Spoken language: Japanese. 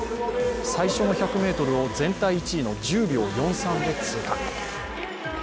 最初の１００ｍを全体１位の１０秒４３で通過。